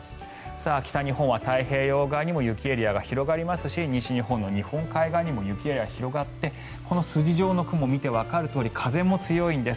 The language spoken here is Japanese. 北日本は太平洋側にも雪エリアが広がりますし西日本の日本海側にも雪エリアが広がってこの筋状の雲を見てわかるとおり風も強いんです。